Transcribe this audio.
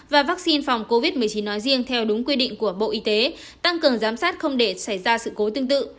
và vaccine phòng covid một mươi chín nói riêng theo đúng quy định của bộ y tế tăng cường giám sát không để xảy ra sự cố tương tự